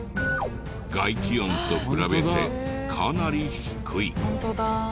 外気温と比べてかなり低い。